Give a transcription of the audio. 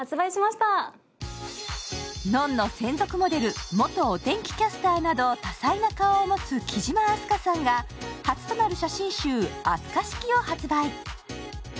「ｎｏｎ−ｎｏ」専属モデル、元お天気キャスターなど、多彩な顔を持つ貴島明日香さんが初となる写真集「あすかしき」を発売。